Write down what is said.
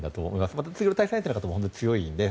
また次の対戦相手の方も強いので。